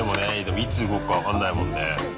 いつ動くか分かんないもんね。